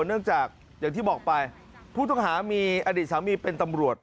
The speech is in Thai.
เนื่องจากอย่างที่บอกไปผู้ต้องหามีอดีตสามีเป็นตำรวจ